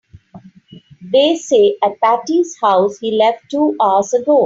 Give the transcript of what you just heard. They say at Patti's house he left two hours ago.